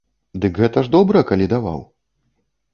Дык гэта ж добра, калі даваў?